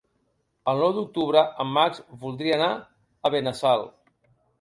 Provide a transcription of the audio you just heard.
El nou d'octubre en Max voldria anar a Benassal.